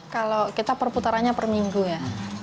kalau kita perputarannya per minggu ya